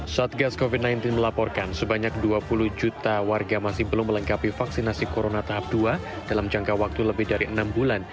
satgas covid sembilan belas melaporkan sebanyak dua puluh juta warga masih belum melengkapi vaksinasi corona tahap dua dalam jangka waktu lebih dari enam bulan